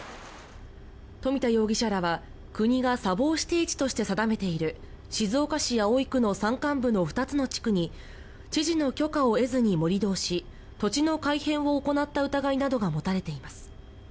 富田容疑者らは国が砂防指定地として定めている静岡市葵区の山間部の２つの地区に知事の許可を得ずに盛り土をし土地の改変を行った疑いなどが持たれています。